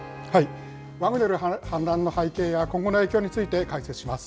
ワグネル反乱の背景や、今後の影響について、解説します。